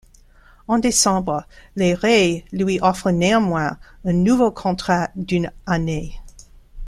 En décembre, les Rays lui offrent néanmoins un nouveau contrat d'une année.